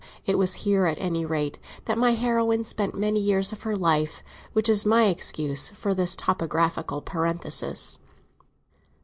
It was here, at any rate, that my heroine spent many years of her life; which is my excuse for this topographical parenthesis.